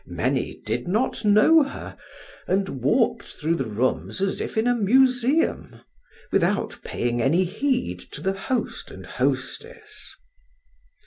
Many did not know her, and walked through the rooms as if in a museum without paying any heed to the host and hostess.